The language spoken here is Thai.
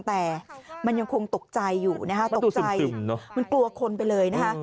แต่มันยังคงตกใจอยู่นะคะตกใจมันกลัวคนไปเลยนะคะ